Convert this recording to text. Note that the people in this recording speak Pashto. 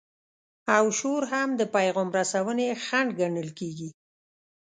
او شور هم د پیغام رسونې خنډ ګڼل کیږي.